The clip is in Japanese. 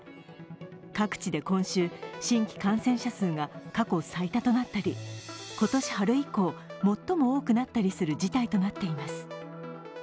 各地で今週、新規感染者数が過去最多となったり今年春以降、最も多くなったりする事態となっています。